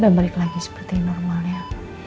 dan balik lagi seperti normal ya